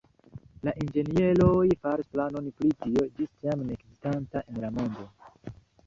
La inĝenieroj faris planon pri tio ĝis tiam ne ekzistanta en la mondo.